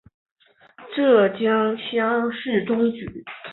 浙江乡试中举。